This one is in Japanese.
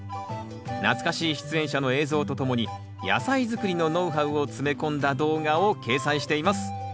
懐かしい出演者の映像とともに野菜づくりのノウハウを詰め込んだ動画を掲載しています。